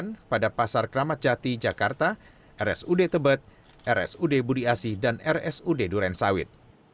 bantuan telah diberikan pada pasar keramat jati jakarta rsud tebet rsud budi asih dan rsud duren sawit